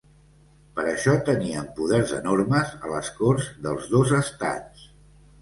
Per això tenien poders enormes a les corts dels dos estats.